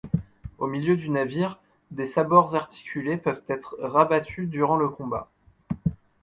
Au milieu du navire, des sabords articulés peuvent être rabattus durant le combat.